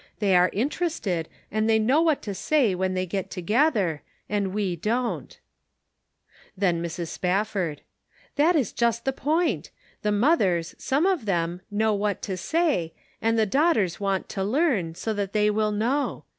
They are interested and they know what to say when they get together, and we don't." 238 The Pocket Measure. Then Mrs Spafford :" That is just the point. The mothers, some of them, know what to say, and the daughters want to learn, so that they will know.